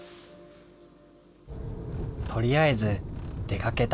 とりあえず出かけた。